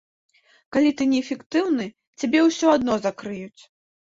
Калі ты не эфектыўны, цябе ўсё адно закрыюць.